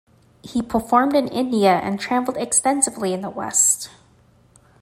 He performed in India and traveled extensively in the West.